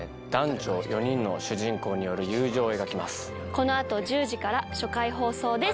この後１０時から初回放送です。